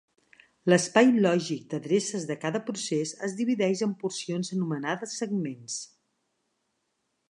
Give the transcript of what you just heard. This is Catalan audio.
L'espai lògic d'adreces de cada procés es divideix en porcions anomenades segments.